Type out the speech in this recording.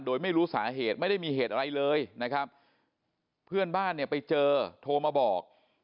โดยไม่รู้สาเหตุไม่ได้มีเหตุอะไรเลยนะครับเพื่อนบ้านเนี่ยไปเจอโทรมาบอก